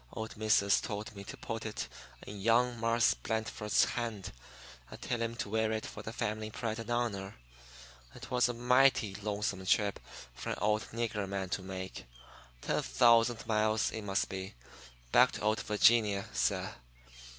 Old Missus told me to put it in young Marse Blandford's hand and tell him to wear it for the family pride and honor. It was a mighty longsome trip for an old nigger man to make ten thousand miles, it must be, back to old Vi'ginia, suh.